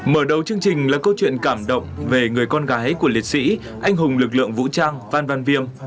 mở đầu chương trình là câu chuyện cảm động về người con gái của liệt sĩ anh hùng lực lượng vũ trang van van viem